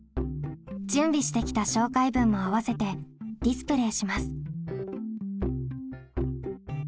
準備してきた紹介文も合わせてディスプレーします。